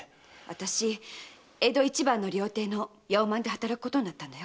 私江戸一番の料亭の八百満で働くことになったんだよ。